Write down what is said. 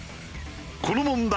この問題